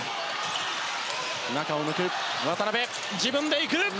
中を抜く、渡邊自分で行く。